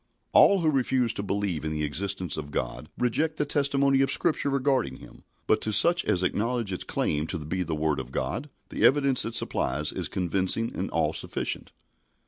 All who refuse to believe in the existence of God reject the testimony of Scripture regarding Him, but to such as acknowledge its claim to be the Word of God, the evidence it supplies is convincing and all sufficient.